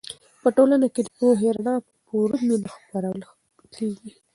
په ټولنه کې د پوهې رڼا په پوره مینه خپرول کېږي.